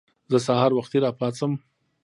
زه سهار وختي راپاڅم.